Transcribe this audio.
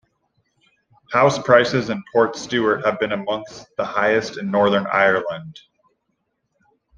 House prices in Portstewart have been amongst the highest in Northern Ireland.